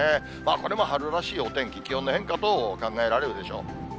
これも春らしいお天気、気温の変化と考えられるでしょう。